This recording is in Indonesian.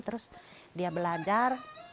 terus dia belajar